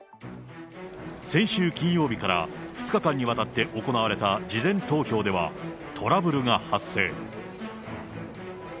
先週金曜日から２日間にわたって行われた事前投票では、トラブルが発生。